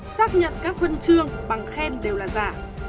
xác nhận các huân chương bằng khen đều là giả